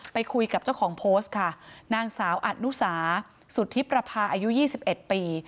ไปคุยกับเจ้าของโพสต์ค่ะนางสาวอนุสาสุทธิประพาอายุ๒๑ปี